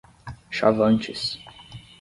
Chavantes